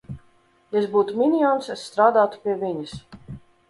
Ja es būtu minions, es strādātu pie viņas!